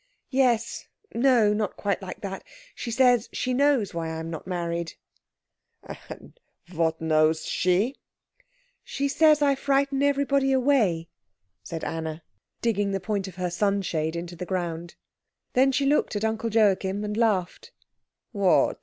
"Yes no, not quite like that. She says she knows why I am not married." "And what knows she?" "She says that I frighten everybody away," said Anna, digging the point of her sunshade into the ground. Then she looked at Uncle Joachim, and laughed. "What?"